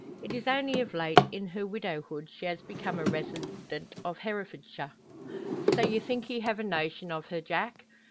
It is only of late, in her widowhood, she has become a resident of Herefordshire. "So you think he have a notion o' her, Jack?"